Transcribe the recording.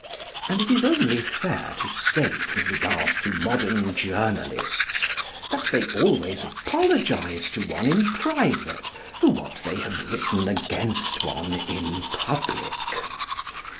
And it is only fair to state, with regard to modern journalists, that they always apologise to one in private for what they have written against one in public.